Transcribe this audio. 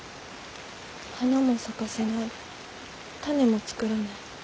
花も咲かせない種も作らない。